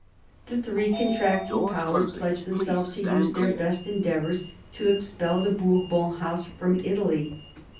The three contracting Powers pledged themselves to use their best endeavours to expel the Bourbon House from Italy.